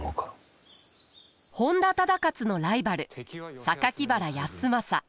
本多忠勝のライバル原康政。